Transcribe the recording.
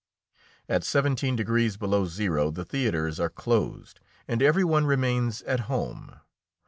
At seventeen degrees below zero the theatres are closed, and every one remains at home.